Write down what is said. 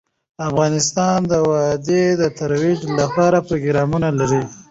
افغانستان د وادي د ترویج لپاره پروګرامونه لري.